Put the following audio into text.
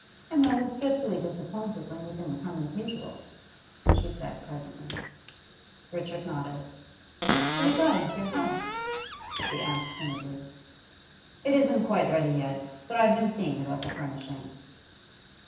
'Emma was dreadfully disappointed when you didn't come as usual,' she said presently. Richard nodded. 'Have you got into your house?' she asked timidly. 'It isn't quite ready yet; but I've been seeing about the furnishing.